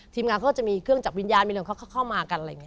งานเขาก็จะมีเครื่องจับวิญญาณมีเรื่องเขาเข้ามากันอะไรอย่างนี้